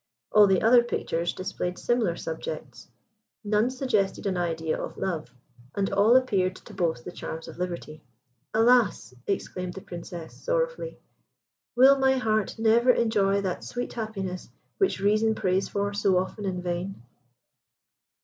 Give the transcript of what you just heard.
All the other pictures displayed similar subjects. None suggested an idea of love, and all appeared to boast the charms of Liberty. "Alas!" exclaimed the Princess, sorrowfully, "will my heart never enjoy that sweet happiness which reason prays for so often in vain?"